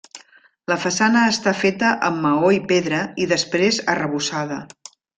La façana està feta amb maó i pedra i després arrebossada.